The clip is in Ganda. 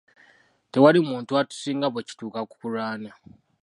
Tewali muntu atusinga bwe kituuka ku kulwana.